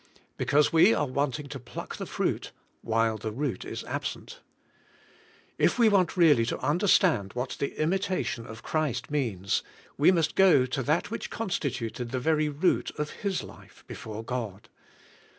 Because we are wanting to pluck the fruit while the root is absent. If we want really to understand what the imitation of Christ means, we must go to that which constituted the very root of His life before God.